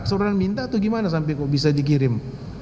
seorang minta atau gimana sampai kok bisa dikirim